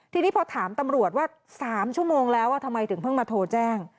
ทีนี้พอถามตำรวจว่า๓ชั่วโมงแล้วทำไมถึงเพิ่งมาโทรแจ้ง